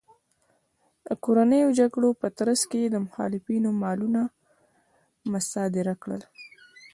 د کورنیو جګړو په ترڅ کې یې د مخالفینو مالونه مصادره کړل